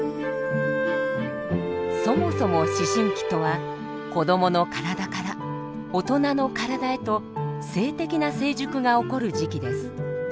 そもそも思春期とは子どもの体から大人の体へと性的な成熟が起こる時期です。